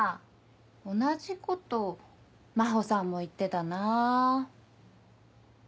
同じこと真帆さんも言ってたなぁ。